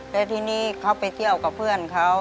แล้วทีนี้เขาไปเที่ยวกับเพื่อนเขา